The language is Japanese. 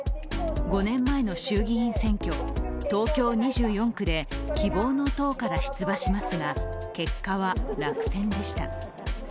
５年前の衆議院選挙、東京２４区で希望の党から出馬しますが結果は落選でした。